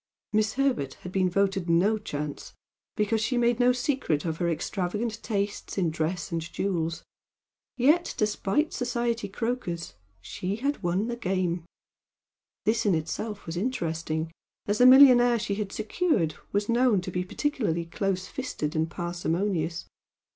Miss Herbert had been voted "no chance," because she made no secret of her extravagant tastes in dress and jewels, yet despite society croakers she had won the game. This in itself was interesting, as the millionaire she had secured was known to be particularly close fisted and parsimonious.